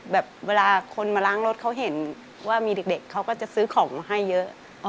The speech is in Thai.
แบบเวลาคนมาล้างรถเขาเห็นว่ามีเด็กเขาก็จะซื้อของให้เยอะ